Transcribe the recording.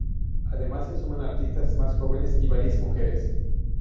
Además se suman artistas más jóvenes y varias mujeres.